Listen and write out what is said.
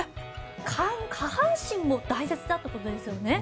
下半身も大切だってことですね。